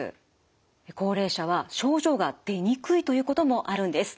高齢者は症状が出にくいということもあるんです。